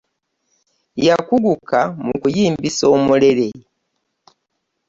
Yakuguka mukuyimbisa omulele.